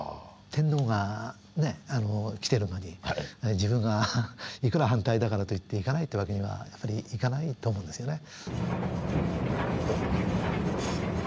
天皇がね来てるのに自分がいくら反対だからといって行かないというわけにはやっぱりいかないと思うんですよね。